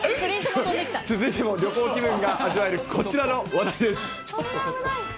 続いても旅行気分が味わえる、こちらの話題です。